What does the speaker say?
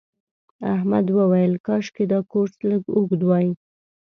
احمد وویل کاشکې دا کورس لږ اوږد وای.